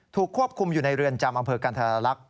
ถูกควบคุมอยู่ในเรือนจำอกรรณรักษ์